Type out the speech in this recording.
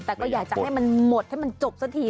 แต่ก็อยากจะให้มันหมดให้มันจบสักที